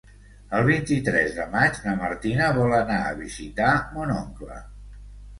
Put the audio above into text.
El vint-i-tres de maig na Martina vol anar a visitar mon oncle.